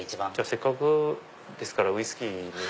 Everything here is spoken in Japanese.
せっかくですからウイスキーに。